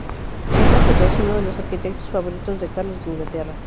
Es, a su vez, uno de los arquitectos favoritos de Carlos de Inglaterra.